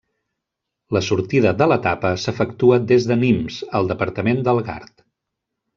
La sortida de l'etapa s'efectua des de Nimes, al departament del Gard.